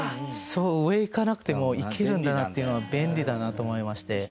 上行かなくても行けるんだなっていうのは便利だなと思いまして。